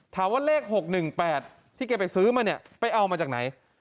ถัวเลขหกหนึ่งแปดที่แกไปซื้อมาเนี่ยไปเอามาจากไหน